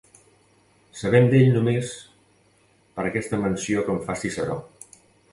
Sabem d'ell només per aquesta menció que en fa Ciceró.